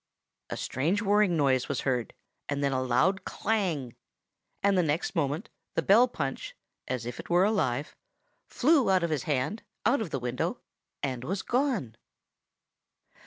"A strange whirring noise was heard, then a loud clang; and the next moment the bell punch, as if it were alive, flew out of his hand, out of the window, and was gone!